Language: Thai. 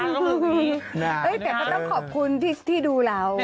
แต่ก็ต้องขอบคุณที่ดูเรา